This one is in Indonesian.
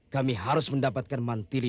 kami harus mendapatkan mantili